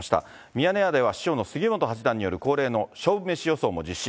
ミヤネ屋では師匠の杉本八段による恒例の勝負メシ予想を実施。